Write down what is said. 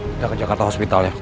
kita ke jakarta hospital ya